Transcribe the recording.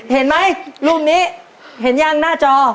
เห็นไหมรูปนี้เห็นยังหน้าจอ